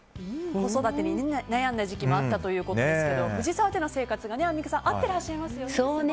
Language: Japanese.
子育てに悩んだ時期もあったということですけども藤沢での生活が、アンミカさん合ってらっしゃいますよね。